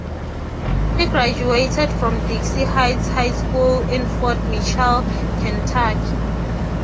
He graduated from Dixie Heights High School in Fort Mitchell, Kentucky.